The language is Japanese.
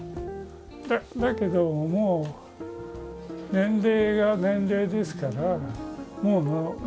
だけどもう年齢が年齢ですから。